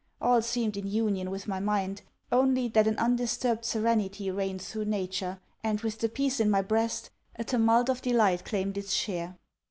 All seemed in union with my mind; only, that an undisturbed serenity reigned through nature; and, with the peace in my breast, a tumult of delight claimed its share.